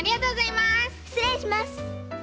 しつれいします。